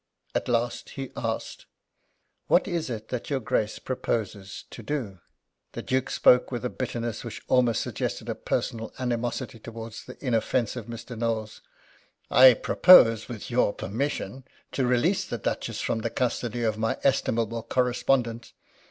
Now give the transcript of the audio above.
At last he asked: "What is it that your Grace proposes to do?" The Duke spoke with a bitterness which almost suggested a personal animosity towards the inoffensive Mr. Knowles. "I propose, with your permission, to release the Duchess from the custody of my estimable correspondent.